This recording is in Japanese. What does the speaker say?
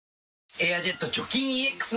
「エアジェット除菌ＥＸ」